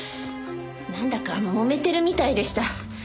なんだか揉めてるみたいでした。